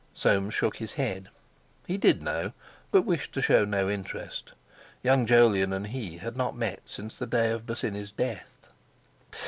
Soames shook his head. He did know, but wished to show no interest. Young Jolyon and he had not met since the day of Bosinney's death.